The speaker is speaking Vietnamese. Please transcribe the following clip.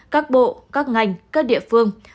các bộ các ngành các địa phương